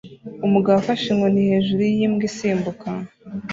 Umugabo afashe inkoni hejuru yimbwa isimbuka